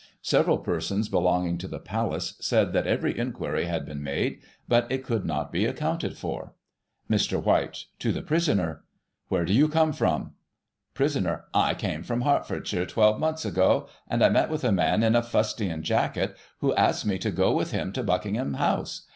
Several persons belonging to the Palace said that every inquiry had been made, but it could not be accounted for, Mr. White (to the prisoner) : Where do you come from ?; Prisoner: I came from Hertfordshire 12 months ago, Digitized by Google 1838] "THE BOY JONES." 73 and I met with a man in a* fustian jacket, who asked me to go with him to Budcingham House.